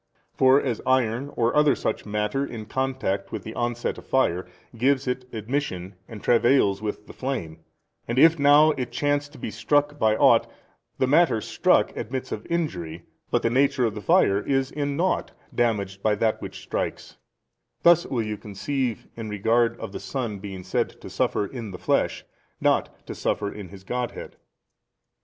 For 75 as iron or other such matter in contact with the onset of fire gives it admission and travails with the flame: and if now it chance to be struck by ought, the matter [struck] admits of injury, but the nature of the fire is in nought damaged by that which strikes; thus will you conceive in regard of the Son being said to suffer in the flesh, not to suffer in His Godhead.